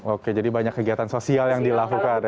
oke jadi banyak kegiatan sosial yang dilakukan